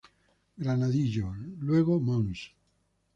Granadillo, luego Mons.